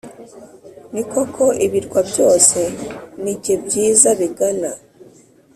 ni koko, ibirwa byose ni jye biza bigana,